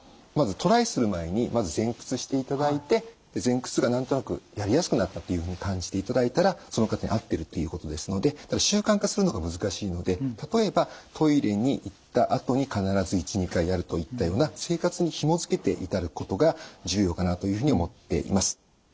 まずトライする前にまず前屈していただいて前屈が何となくやりやすくなったというふうに感じていただいたらその方に合ってるっていうことですので習慣化するのが難しいので例えばトイレに行ったあとに必ず１２回やるといったような生活にひも付けていただくことが重要かなというふうに思っています。